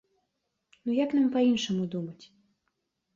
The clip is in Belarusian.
Ну як нам па-іншаму думаць?